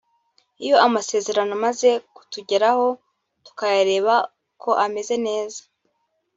Iyo amasezerano amaze kutugeraho tukayareba ko ameze neza